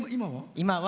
今は？